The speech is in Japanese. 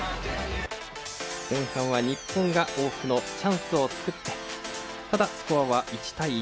前半は、日本が多くのチャンスを作ってただ、スコアは１対１。